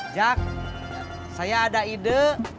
jak saya ada ide